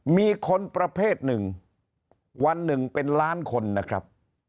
มีคนประเภทหนึ่งวันหนึ่งเป็นล้านคนนะครับ